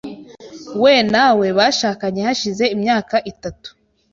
We na we bashakanye hashize imyaka itatu.